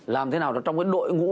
làm thế nào trong đội ngũ